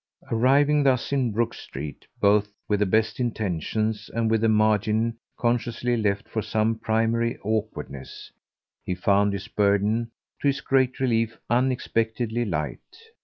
Arriving thus in Brook Street both with the best intentions and with a margin consciously left for some primary awkwardness, he found his burden, to his great relief, unexpectedly light.